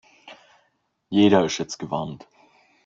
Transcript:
Jeder ist jetzt gewarnt.